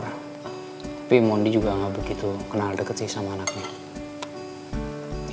tapi mondi juga nggak begitu kenal deket sih sama anaknya